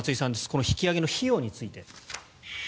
この引き揚げの費用について。